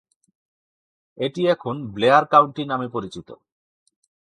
এটি এখন Blair County নামে পরিচিত।